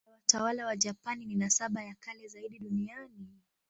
Nasaba ya watawala wa Japani ni nasaba ya kale zaidi duniani.